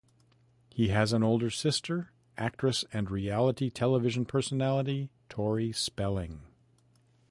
He has an older sister, actress and reality television personality Tori Spelling.